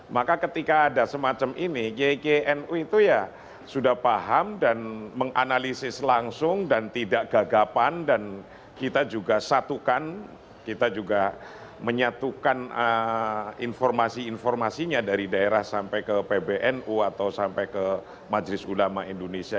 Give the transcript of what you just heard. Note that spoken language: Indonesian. maka ketika ada semacam ini kikinu itu ya sudah paham dan menganalisis langsung dan tidak gagapan dan kita juga satukan kita juga menyatukan informasi informasinya dari daerah sampai ke pbnu atau sampai ke majelis ulama indonesia